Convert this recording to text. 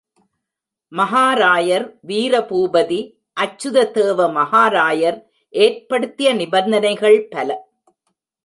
மகாராயர், வீரபூபதி அச்சுததேவ மகாராயர் ஏற்படுத்திய நிபந்தங்கள் பல.